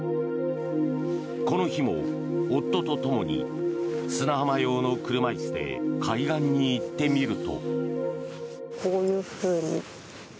この日も夫とともに砂浜用の車椅子で海岸に行ってみると。